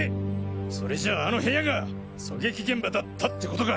それじゃああの部屋が狙撃現場だったってことか！